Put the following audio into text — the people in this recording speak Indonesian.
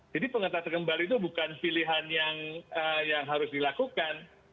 jadi pengetatan kembali itu bukan pilihan yang harus dilakukan